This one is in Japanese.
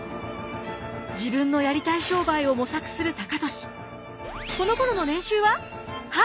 自分のやりたい商売を模索する高利。